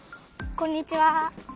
こんにちは。